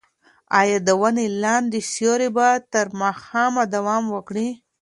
ایا د ونې لاندې سیوری به تر ماښامه دوام وکړي؟